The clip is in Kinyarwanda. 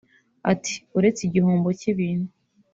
Ati "Uretse igihombo cy’ibintu